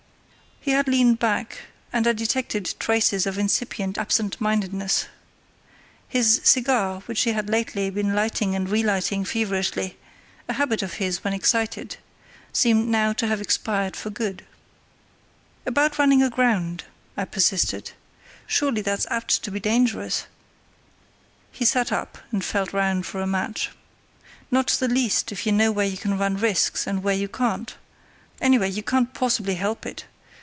He had leaned back, and I detected traces of incipient absentmindedness. His cigar, which he had lately been lighting and relighting feverishly—a habit of his when excited—seemed now to have expired for good. "About running aground," I persisted; "surely that's apt to be dangerous?" He sat up and felt round for a match. "Not the least, if you know where you can run risks and where you can't; anyway, you can't possibly help it.